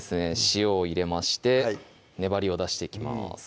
塩を入れまして粘りを出していきます